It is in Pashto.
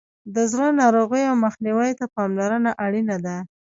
د زړه ناروغیو مخنیوي ته پاملرنه اړینه ده.